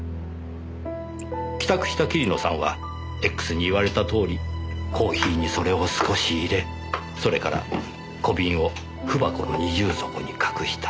帰宅した桐野さんはＸに言われたとおりコーヒーにそれを少し入れそれから小瓶を文箱の二重底に隠した。